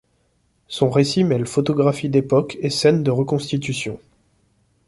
Son récit mêle photographies d'époque et scènes de reconstitutions.